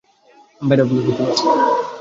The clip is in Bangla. আমি বাইরে অপেক্ষা করছি, মাস্টার।